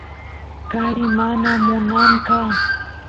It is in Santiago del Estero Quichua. kari mana munanqa